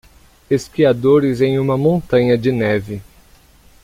Esquiadores em uma montanha de neve.